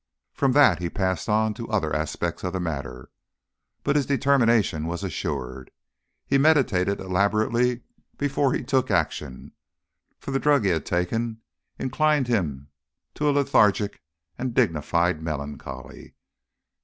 From that he passed to other aspects of the matter, but his determination was assured. He meditated elaborately before he took action, for the drug he had taken inclined him to a lethargic and dignified melancholy.